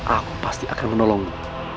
aku pasti akan menolongmu